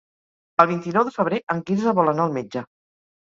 El vint-i-nou de febrer en Quirze vol anar al metge.